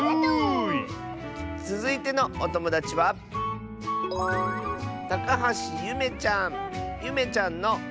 つづいてのおともだちはゆめちゃんの。